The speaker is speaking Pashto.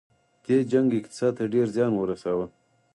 دې جنګ اقتصاد ته ډیر زیان ورساوه.